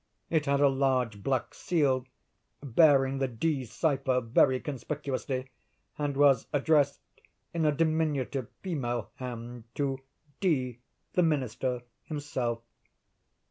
It had a large black seal, bearing the D—— cipher very conspicuously, and was addressed, in a diminutive female hand, to D——, the minister, himself.